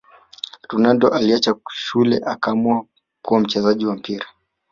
Ronaldo aliacha shule akaamua kuwa mchezaji wa mpira